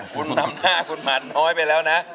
คุณทำหน้าคุณหมั่นน้อยไปแล้วนะ